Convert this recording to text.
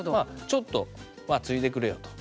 ちょっとまあついでくれよと。